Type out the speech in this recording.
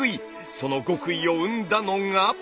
その極意を生んだのが。